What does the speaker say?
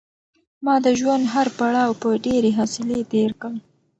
ما د ژوند هر پړاو په ډېرې حوصلې تېر کړ.